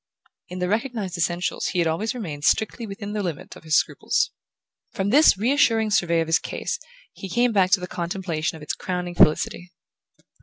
In the recognized essentials he had always remained strictly within the limit of his scruples. From this reassuring survey of his case he came back to the contemplation of its crowning felicity.